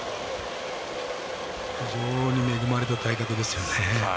非常に恵まれた体格ですよね。